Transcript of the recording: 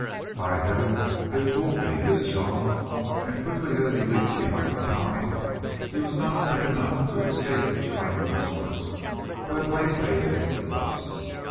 "By Heaven, they've fooled me!" hissed Jean, and quickly as he leaped behind the pine he was not quick enough to escape the cunning rustlers who had waylaid him thus.